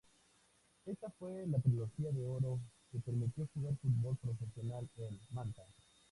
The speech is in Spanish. Esa fue la trilogía de oro que permitió jugar fútbol profesional en Manta.